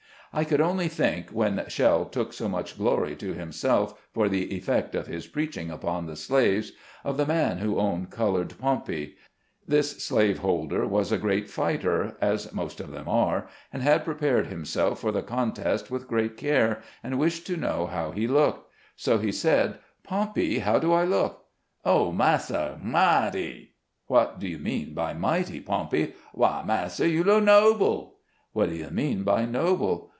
I could only think, when Shell took so much glory to himself for the effect of his preaching upon the slaves, of the man who owned colored Pompey. This slave holder was a great fighter (as most of them are), and had prepared himself for the contest with great care, and wished to know how he looked ; so he said, "Pompey, how do I look?" "Oh, massa, mighty !"" What do you mean by ' mighty ', Pompey ?"" Why, massa, you look noble." " What do you mean by 'noble'?"